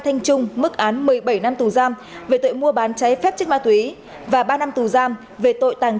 thanh trung mức án một mươi bảy năm tù giam về tội mua bán cháy phép chất ma túy và ba năm tù giam về tội tàng